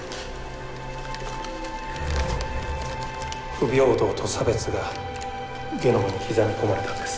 不平等と差別がゲノムに刻み込まれたんです。